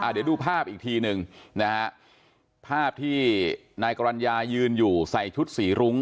เดี๋ยวดูภาพอีกทีหนึ่งนะฮะภาพที่นายกรรณญายืนอยู่ใส่ชุดสีรุ้ง